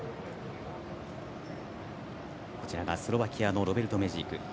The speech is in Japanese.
スロバキアのロベルト・メジーク。